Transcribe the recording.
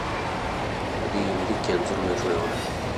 په دې يونليک کې انځور جوړونه